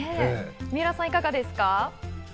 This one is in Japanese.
三浦さん、いかがですか？